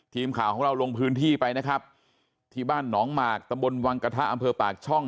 ทีมข่าวของเราลงพื้นที่ไปนะครับที่บ้านหนองหมากตำบลวังกระทะอำเภอปากช่อง